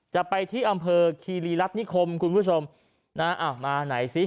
จะไปที่อำเภอคีรีรัฐนิคมคุณผู้ชมนะอ้าวมาไหนซิ